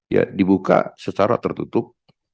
ya dibuka secara tertutup